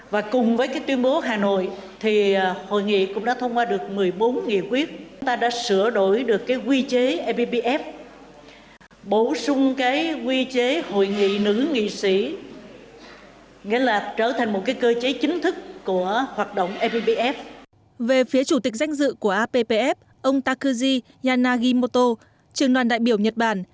về phía chủ tịch danh dự của appf ông takuji yanagimoto trường đoàn đại biểu nhật bản